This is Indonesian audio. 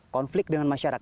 konflik dengan masyarakat